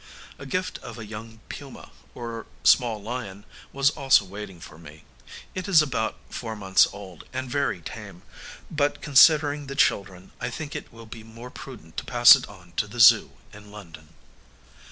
A gift of a young puma, or small lion, was also waiting for me. It is about four months old, and very tame; but, considering the children, I think it will be more prudent to pass it on to the Zoo, in London.